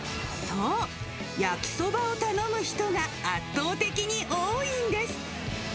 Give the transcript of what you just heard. そう、焼きそばを頼む人が圧倒的に多いんです。